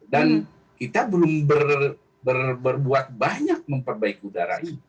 dan kita belum berbuat banyak memperbaiki udaranya